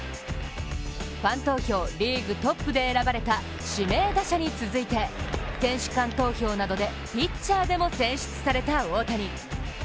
ファン投票リーグトップで選ばれた指名打者に続いて、選手間投票などで、ピッチャーでも選出された大谷。